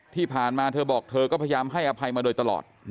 ที่ผ่านมาเธอบอกเธอก็พยายามให้อภัยมาโดยตลอด